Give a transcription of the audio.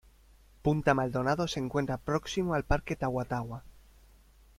Punta Maldonado se encuentra próximo al Parque Tagua Tagua.